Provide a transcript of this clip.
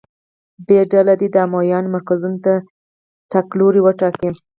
ب ډله دې د امویانو مرکزونو ته تګ لوری وټاکي.